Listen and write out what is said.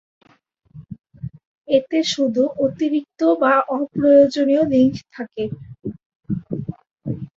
এতে শুধু অতিরিক্ত বা অপ্রয়োজনীয় লিঙ্ক থাকে।